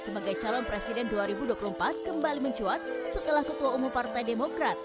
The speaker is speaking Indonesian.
sebagai calon presiden dua ribu dua puluh empat kembali mencuat setelah ketua umum partai demokrat